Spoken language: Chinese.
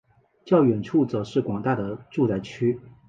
较远处则是广大的住宅区。